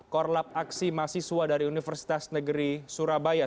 korlap aksi mahasiswa dari universitas negeri surabaya